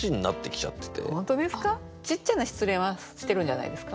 ちっちゃな失恋はしてるんじゃないですか？